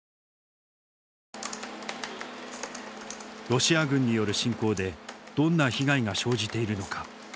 ロシア軍による侵攻でどんな被害が生じているのか。